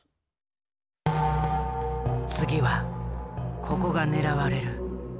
「次はここが狙われる」。